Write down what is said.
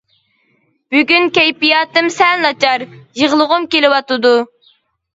بۈگۈن كەيپىياتىم سەل ناچار، يىغلىغۇم كېلىۋاتىدۇ.